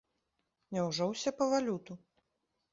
Няўжо ўсе па валюту?